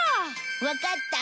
わかった？